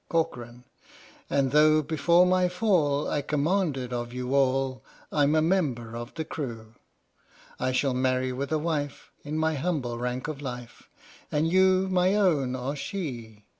CORCORAN. And though before my fall I commanded of you all, I'm a member of the crew! I shall marry with a wife In my humble rank of life, And you, my own, are she!